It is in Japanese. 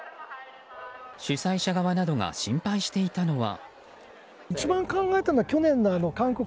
主催者側などが心配していたのは。